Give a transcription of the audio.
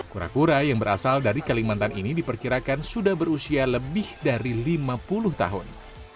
kura kura yang berasal dari kalimantan ini diperkirakan sudah berusia lebih dari lima puluh tahun